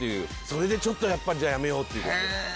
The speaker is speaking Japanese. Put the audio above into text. それでちょっとじゃあやめようっていうことで。